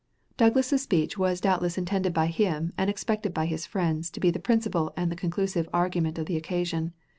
Douglas's speech was doubtless intended by him and expected by his friends to be the principal and the conclusive argument of the occasion.